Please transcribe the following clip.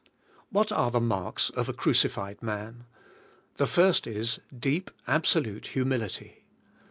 What are the marks of a crucified man? The first is, deep, absolute humility.